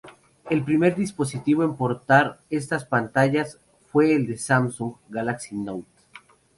El primer dispositivo en portar estas pantallas fue el Samsung Galaxy Note.